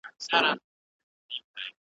ټولنې هیڅ کله تر موخو نه دی رسېدلی،